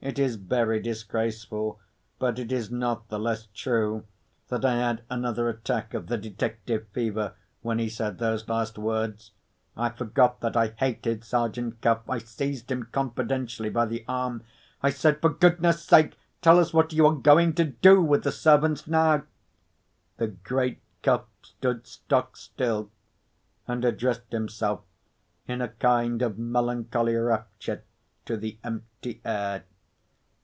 It is very disgraceful, but it is not the less true, that I had another attack of the detective fever, when he said those last words. I forgot that I hated Sergeant Cuff. I seized him confidentially by the arm. I said, "For goodness' sake, tell us what you are going to do with the servants now?" The great Cuff stood stock still, and addressed himself in a kind of melancholy rapture to the empty air.